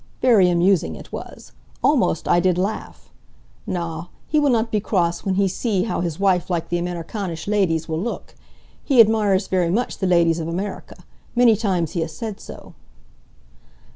Very amusing it was. Almost I did laugh. Na, he will not be cross when he see how his wife like the Amerikanische ladies will look. He admires very much the ladies of Amerika. Many times he has said so."